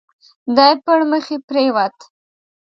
دی پړمخي پرېووت.